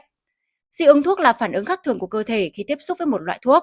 dị ứng thuốc là phản ứng khác thường của cơ thể khi tiếp xúc với một loại thuốc